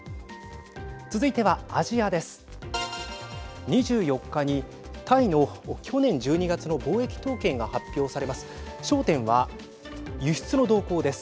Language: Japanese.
続いてはアジアです。